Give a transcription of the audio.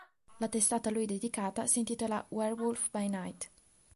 La testata a lui dedicata si intitola "Werewolf by Night".